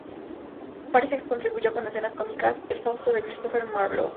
Parece que contribuyó con escenas cómicas al "Fausto" de Christopher Marlowe.